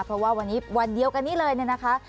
เพราะว่าวันนี้วันเดียวกันนี้เลยเนี่ยนะคะ